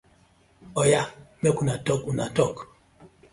Oya mek una talk una talk.